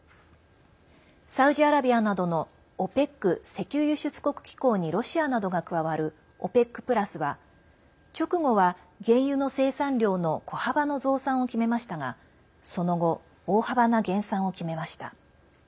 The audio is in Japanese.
サウジアラビアなどのＯＰＥＣ＝石油輸出国機構にロシアなどが加わるＯＰＥＣプラスは直後は原油の生産量の小幅の増産を決めましたがその後、大幅な減産を決めました。